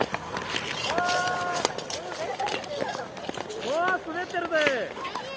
うわー、滑ってるぜ。